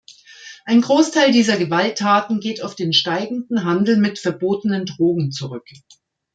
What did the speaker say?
Ein Großteil dieser Gewalttaten geht auf den steigenden Handel mit verbotenen Drogen zurück.